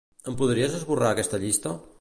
Em podries esborrar aquesta llista?